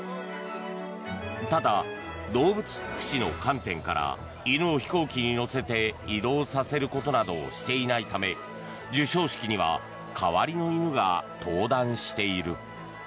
ただ、動物福祉の観点から犬を飛行機に乗せて移動させることなどをしていないため授賞式には代わりの犬が登壇している。